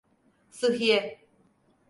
Sıhhiye!